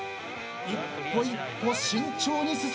一歩一歩慎重に進みます。